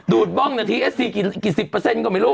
ดูดบ้องนาทีเอฟซีกี่สิบเปอร์เซ็นก็ไม่รู้